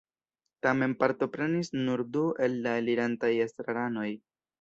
Tamen partoprenis nur du el la elirantaj estraranoj.